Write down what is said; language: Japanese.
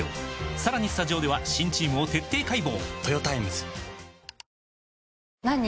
さらにスタジオでは新チームを徹底解剖！